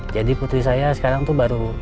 jadi putri saya sekarang tuh baru